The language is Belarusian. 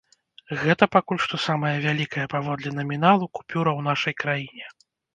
Гэта пакуль што самая вялікая паводле наміналу купюра ў нашай краіне.